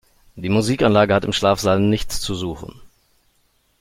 Die Musikanlage hat im Schlafsaal nichts zu suchen.